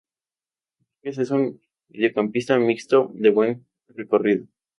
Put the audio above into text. Borges es un mediocampista mixto de muy buen recorrido.